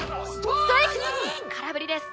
ストライク空振りです